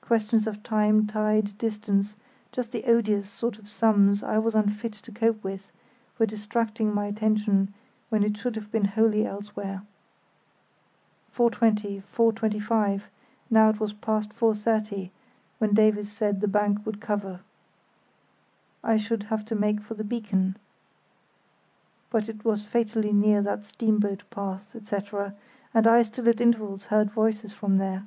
Questions of time, tide, distance—just the odious sort of sums I was unfit to cope with—were distracting my attention when it should have been wholly elsewhere. 4.20—4.25—now it was past 4.30 when Davies said the bank would cover. I should have to make for the beacon; but it was fatally near that steamboat path, etc., and I still at intervals heard voices from there.